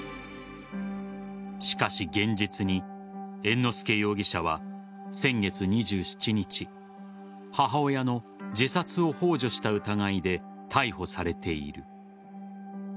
しかし、現実に猿之助容疑者は先月２７日母親の自殺をほう助した疑いで逮捕されている。